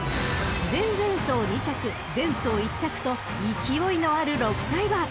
［前々走２着前走１着といきおいのある６歳馬］